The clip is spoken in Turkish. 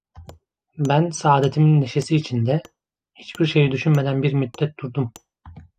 Ben saadetimin neşesi içinde, hiçbir şey düşünmeden bir müddet durdum.